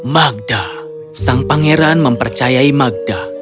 magda sang pangeran mempercayai magda